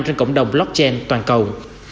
trên cộng đồng blockchain toàn cầu